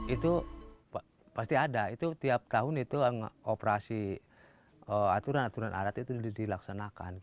itu pasti ada itu tiap tahun itu operasi aturan aturan adat itu dilaksanakan